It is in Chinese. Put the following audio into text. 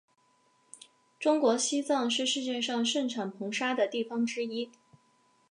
中国西藏是世界上盛产硼砂的地方之一。